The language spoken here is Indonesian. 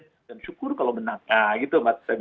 dan syukur kalau menang nah gitu mas saya pikir